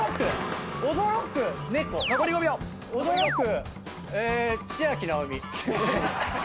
驚く。